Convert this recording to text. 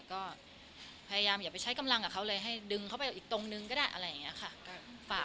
ก็พยายามอย่าไปใช้กำลังกับเขาเลยให้ดึงเขาไปอีกตรงนึงก็ได้อะไรอย่างนี้ค่ะ